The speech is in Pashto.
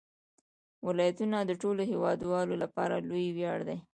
ولایتونه د ټولو هیوادوالو لپاره لوی ویاړ دی.